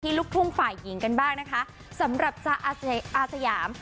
ลูกทุ่งฝ่ายหญิงกันบ้างนะคะสำหรับจ๊ะอาสยาม